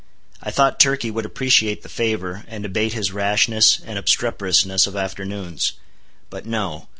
I thought Turkey would appreciate the favor, and abate his rashness and obstreperousness of afternoons. But no.